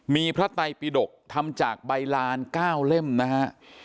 มีพระไตปิดกทำจากใบลาน๙เล่มนะฮะ